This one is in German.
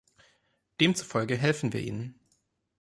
Demzufolge helfen wir ihnen.